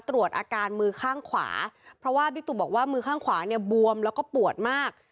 ตรวจอาการมือข้างขวาเพราะว่าบิ๊กตุบอกว่ามือข้างขวาเนี่ยบวมแล้วก็ปวดมาก